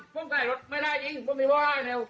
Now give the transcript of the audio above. ผู้ชมครับท่าน